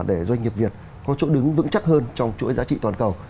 để doanh nghiệp việt có chỗ đứng vững chắc hơn trong chuỗi giá trị toàn cầu